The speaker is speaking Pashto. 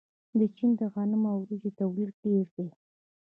د چین د غنمو او وریجو تولید ډیر دی.